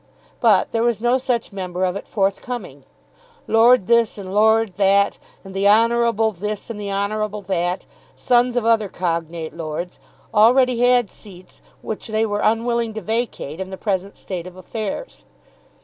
But there was no such member of it forthcoming. Lord This and Lord That, and the Honourable This and the Honourable That, sons of other cognate Lords, already had seats which they were unwilling to vacate in the present state of affairs.